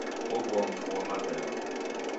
Ogua mfu ghwa mabemba.